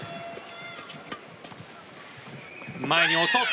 前に落とす。